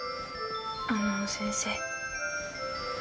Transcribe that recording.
あのう先生。